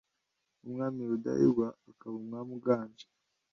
nk'umwami rudahigwa akaba umwami uganje